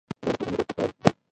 دا د ټولنې ګډ تخیل دی.